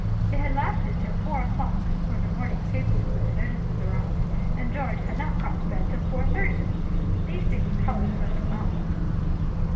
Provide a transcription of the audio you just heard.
It had lasted till four o'clock when the morning papers with the notices arrived, and George had not got to bed till four thirty. These things colour the mental outlook.